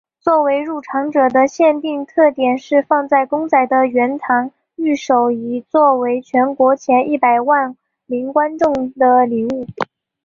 作为入场者的限定特典是放有公仔的圆堂御守以作为全国前一百万名观众的礼物。